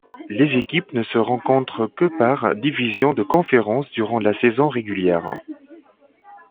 Les équipes ne se rencontrent que par division de Conférence durant la saison régulière.